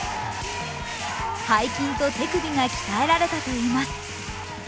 背筋と手首が鍛えられたといいます。